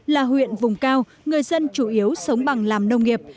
là huyện vùng cao người dân chủ yếu sống bằng làm nông nghiệp